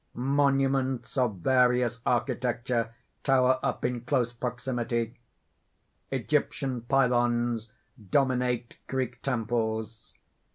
_ _Monuments of various architecture tower up in close proximity. Egyptian pylons dominate Greek temples.